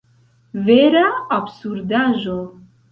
Vera absurdaĵo!